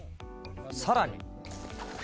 さらに。